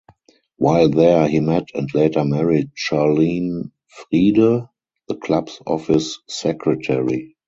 While there, he met and later married Charlene Friede, the club's office secretary.